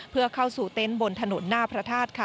เพื่อเข้าสู่เต็นต์บนถนนหน้าพระธาตุค่ะ